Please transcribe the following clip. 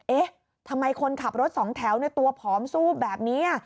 เอ๊ะทำไมคนขับรถสองแถวตัวผอมซูบแบบนี้